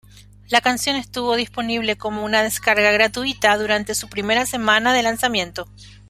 La canción estuvo disponible como una descarga gratuita durante su primera semana de lanzamiento.